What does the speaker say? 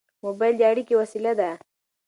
موبایل د اړیکې وسیله ده.